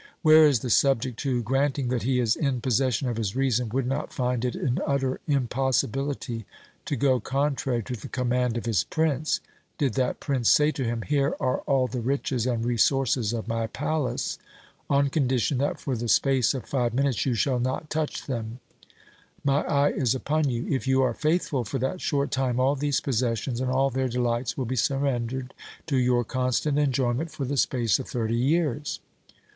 Where is the subject who, granting that he is in possession of his reason, would not find it an utter impossi bility to go contrary to the command of his prince, did that prince say to him : Here are all the riches and resources of my palace on condition that for the space of five minutes you shall not touch them ; my eye is upon you ; if you are faithful for that short time all these posses sions and all their delights will be surrendered to your constant enjoyment for the space of thirty years.